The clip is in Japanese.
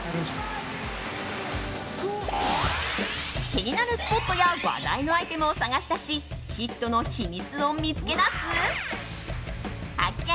気になるスポットや話題のアイテムを探し出しヒットの秘密を見つけ出す発見！